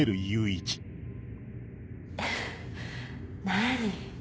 何？